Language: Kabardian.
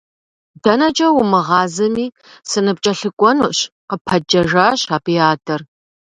ДэнэкӀэ умыгъазэми, сыныпкӀэлъыкӀуэнущ, – къыпэджэжащ абы и адэр.